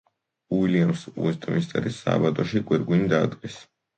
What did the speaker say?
უილიამს უესტმინსტერის სააბატოში გვირგვინი დაადგეს.